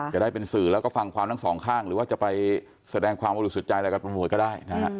จะได้เป็นสื่อแล้วก็ฟังความทั้งสองข้างหรือว่าจะไปแสดงความบริสุทธิ์ใจอะไรกับตำรวจก็ได้นะฮะ